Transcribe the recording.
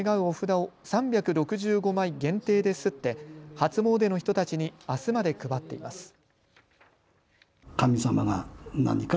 お札を３６５枚限定で刷って初詣の人たちにあすまで配っています。